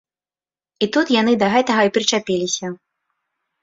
А тут яны да гэтага і прычапіліся.